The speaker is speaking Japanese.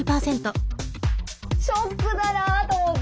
ショックだなと思って。